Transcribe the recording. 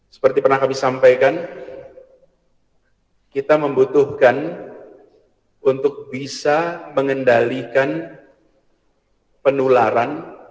seperti pernah kami sampaikan kita membutuhkan untuk bisa mengendalikan penularan